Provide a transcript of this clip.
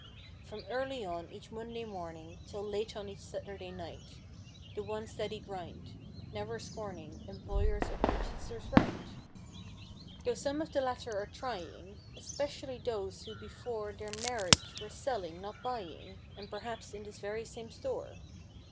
From early on each Monday morning 'Till late on each Saturday night, The one steady grind. Never scorning Employer's or purchaser's right; Though some of the latter are trying. Especially those who before Their marriage were selling, not buying. And perhaps in this very same store.